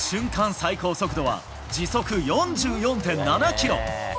最高速度は時速４４．７キロ。